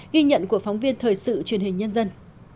ghi nhận của phóng viên thời sự truyền hình nhân dân